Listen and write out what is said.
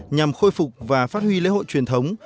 nhằm khôi phục và phát huy lễ hội truyền thống